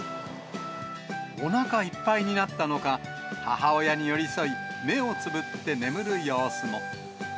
おなかいっぱいになったのか、母親に寄り添い、目をつぶって眠る様子も。